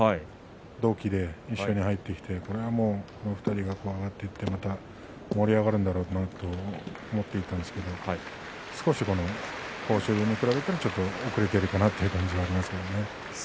同期で一緒に入ってきてこの２人が上がってきて盛り上がるんだろうと思っていたんですけれど少し豊昇龍に比べても遅れているかなという感じがありますね。